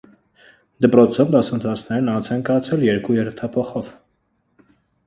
Դպրոցում դասընթացներն անց են կացվել երկու հերթափոխով։